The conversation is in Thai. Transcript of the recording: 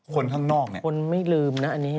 คนข้างนอกเนี่ยคนไม่ลืมนะอันนี้